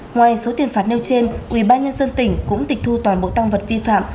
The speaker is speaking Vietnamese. ngoài số tiền phạt nêu trên ubnd tỉnh cũng tịch thu toàn bộ tăng vật vi phạm